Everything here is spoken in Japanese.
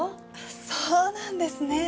そうなんですね。